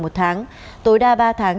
một tháng tối đa ba tháng